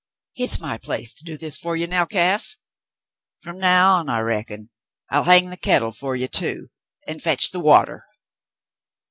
"Hit's my place to do this fer you now, Cass. F'om now on — I reckon. I'll hang the kittle fer ye, too, an' fetch the water."